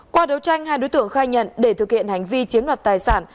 qua đấu tranh hai đối tượng khai nhận để thực hiện hành vi chiếm đoạt tài sản